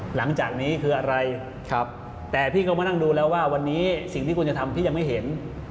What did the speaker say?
หลังจากนี้คืออะไรแต่พี่ก็มานั่งดูแล้วว่าวันนี้สิ่งที่คุณจะทำพี่ยังไม่เห็น